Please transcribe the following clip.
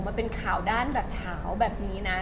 มันเป็นข่าวด้านแบบเช้าแบบนี้นะ